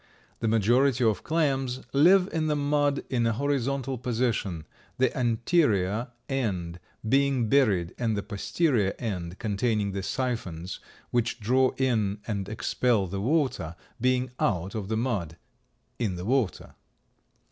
The majority of clams live in the mud in a horizontal position, the anterior end being buried and the posterior end, containing the siphons which draw in and expel the water, being out of the mud, in the water.